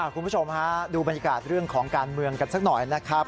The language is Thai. คุณผู้ชมฮะดูบรรยากาศเรื่องของการเมืองกันสักหน่อยนะครับ